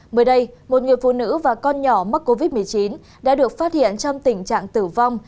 mới đây một người phụ nữ và con nhỏ mắc covid một mươi chín đã được phát hiện trong tình trạng tử vong